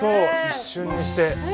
一瞬にして。